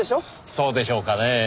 そうでしょうかねぇ。